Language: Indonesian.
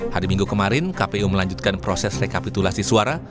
hari minggu kemarin kpu melanjutkan proses rekapitulasi suara